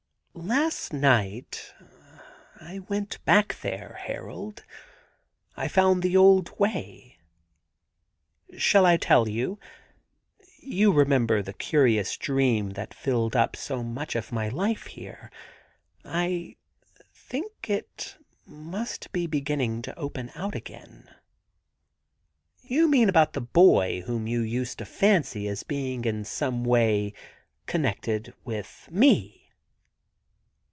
'Last night I went back there, Harold — I found the old way. ... Shall I tell you? ... You re member the curious dream that filled up so much of my life here. ... I think it must be beginning to open out again.' * You mean about the boy whom you used to fancy as being in some way connected with me